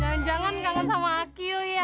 jangan jangan kangen sama akyu ya